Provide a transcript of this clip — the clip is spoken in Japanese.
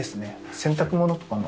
洗濯物とかの。